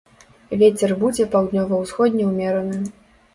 Вецер будзе паўднёва-ўсходні ўмераны.